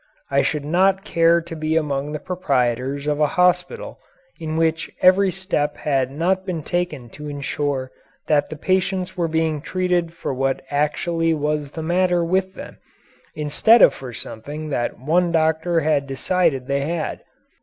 I should not care to be among the proprietors of a hospital in which every step had not been taken to insure that the patients were being treated for what actually was the matter with them, instead of for something that one doctor had decided they had.